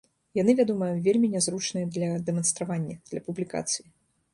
Яны, вядома, вельмі нязручныя для дэманстравання, для публікацыі.